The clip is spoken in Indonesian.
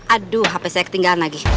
aduh habis saya ketinggalan lagi